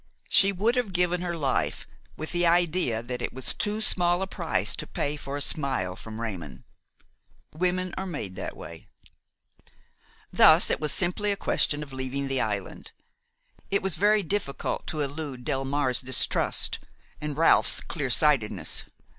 She would have given her life, with the idea that it was too small a price to pay for a smile from Raymon. Women are made that way. Thus it was simply a question of leaving the island. It was very difficult to elude Delmare's distrust and Ralph's clear sightedness.